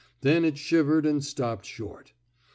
Then it shivered and stopped short.